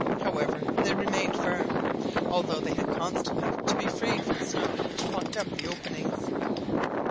However, they remained firm, although they had constantly to be freed from the snow which blocked up the openings.